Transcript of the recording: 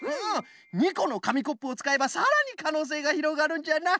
２このかみコップをつかえばさらにかのうせいがひろがるんじゃな。